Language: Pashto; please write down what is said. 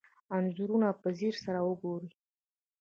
انځورونه په ځیر سره وګورئ.